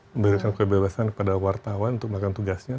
memberikan kebebasan kepada wartawan untuk melakukan tugasnya